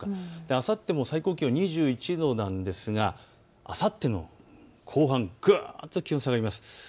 あさっても最高気温２１度なんですがあさっての後半、ぐんと気温が下がります。